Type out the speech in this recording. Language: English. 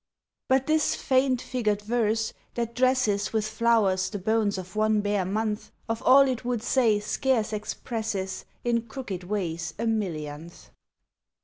But this faint figured verse, that dresses With flowers the bones of one bare month, Of all it would say scarce expresses In crooked ways a millionth.